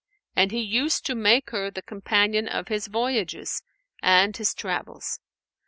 and he used to make her the companion of his voyages and his travels.